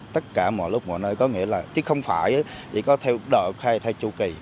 tất cả mọi lúc mọi nơi có nghĩa là chứ không phải chỉ có theo độ hay theo chủ kỳ